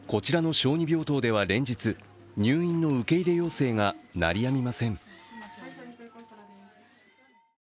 こちらの小児病棟では連日、入院の受け入れ要請が鳴りやみません。